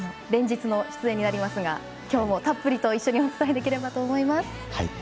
連日の出演になりますが今日もたっぷりと一緒にお伝えできればと思います。